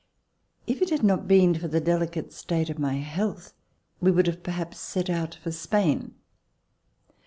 If it had not been for the delicate state of my health, we would have perhaps set out for Spain.